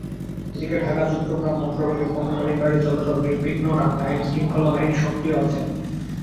এদিকে ঢাকা-চট্টগ্রাম মহাসড়কে পণ্যবাহী গাড়ি চলাচল নির্বিঘ্ন রাখতে আইনশৃঙ্খলা বাহিনী সক্রিয় আছে।